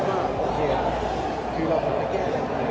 ที่จะกับการต่อเนื้อเข้าสำหัว